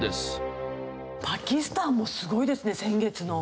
パキスタンもすごいですね先月の。